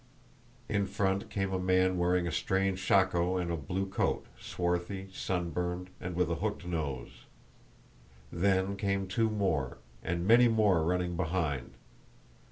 In front came a man wearing a strange shako and a blue cloak, swarthy, sunburned, and with a hooked nose. Then came two more, and many more running behind.